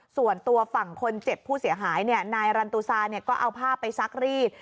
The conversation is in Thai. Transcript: ส่วนตัวฝั่งคนเจ็บผู้เสียหายนายรันตุซาก็เอาผ้าไปซักรีด